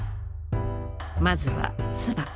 まずは「鐔」。